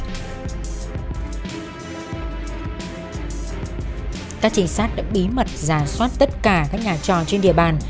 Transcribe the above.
các trinh sát đã bí mật giả soát tất cả các nhà trò trên địa bàn